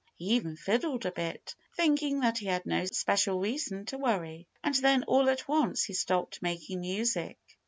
He even fiddled a bit, thinking that he had no special reason to worry. And then all at once he stopped making music.